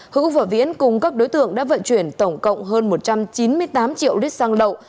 hữu và viễn cùng các đối tượng đã vận chuyển tổng cộng hơn một trăm chín mươi tám triệu lít xăng lậu